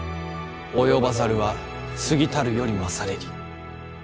及ばざるは過ぎたるよりまされり。